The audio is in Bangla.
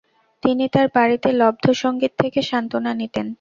তিনি তার বাড়িতে লব্ধ সঙ্গীত থেকে সান্ত্বনা নিতেন।